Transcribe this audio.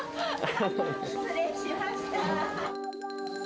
失礼しました。